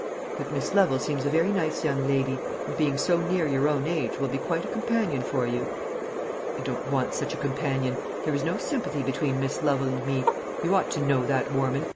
But Miss Lovel seems a very nice young lady, and being so near your own age will be quite a companion for you." "I don't want such a companion. There is no sympathy between Miss Lovel and me; you ought to know that, Warman.